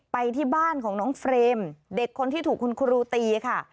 ไปที่บ้านของน้องเฟรมเด็กคนที่ถูกคุณครูตีค่ะ